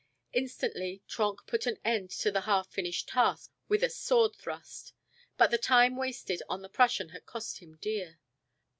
Instantly Trenck put an end to the half finished task with a sword thrust. But the time wasted on the Prussian had cost him dear.